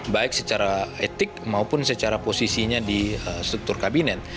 baik secara etik maupun secara posisinya di struktur kabinet